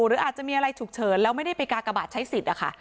หรืออาจจะมีอะไรฉุกเฉินแล้วไม่ได้ไปกากบาทใช้สิทธิ์นะคะ